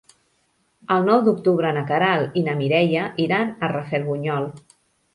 El nou d'octubre na Queralt i na Mireia iran a Rafelbunyol.